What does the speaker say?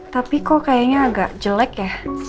tapi kok kayaknya agak jelek ya